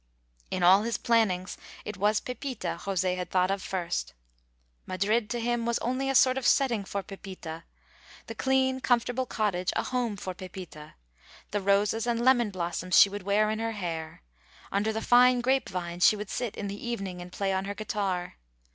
In all his plannings it was Pepita José had thought of first. Madrid to him was only a sort of setting for Pepita; the clean, comfortable cottage a home for Pepita; the roses and lemon blossoms she would wear in her hair; under the fine grape vines she would sit in the evening and play on her guitar.